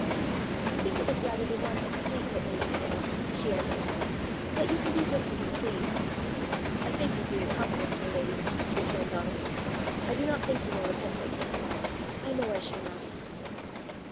"I think it was rather the want of sleep that made me ill," she answered; "but you can do just as you please." "I thank you for your confidence, my lady," returned Donal. "I do not think you will repent it." "I know I shall not."